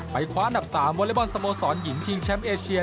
คว้าอันดับ๓วอเล็กบอลสโมสรหญิงชิงแชมป์เอเชีย